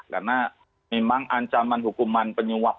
karena memang ancaman hukuman penyumbang